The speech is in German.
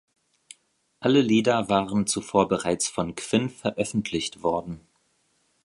Alle Lieder waren zuvor bereits von Quinn veröffentlicht worden.